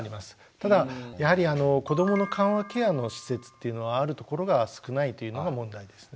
ただやはり子どもの緩和ケアの施設っていうのはあるところが少ないというのが問題ですね。